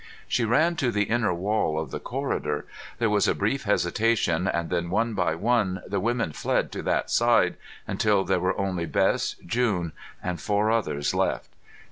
She ran to the inner wall of the corridor. There was a brief hesitation, and then, one by one, the women fled to that side, until there were only Bess, June and four others left.